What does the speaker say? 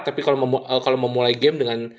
tapi kalau mau mulai game dengan